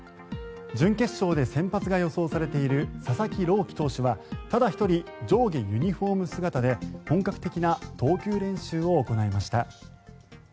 準決勝で先発が予想されている佐々木朗希投手はただ１人、上下ユニホーム姿で本格的な投球練習を行いました。